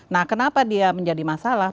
nah kenapa dia menjadi masalah